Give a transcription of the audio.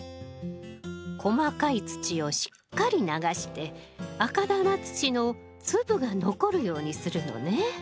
細かい土をしっかり流して赤玉土の粒が残るようにするのね。